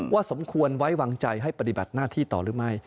สมควรไว้วางใจให้ปฏิบัติหน้าที่ต่อหรือไม่